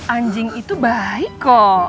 anjing itu baik kok